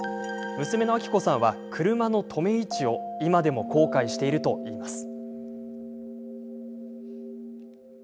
娘の明子さんは車のとめ位置を今でも後悔しているといいます。